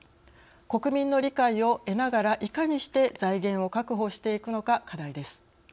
国民の理解を得ながらいかにして財源を確保していくのか課題です。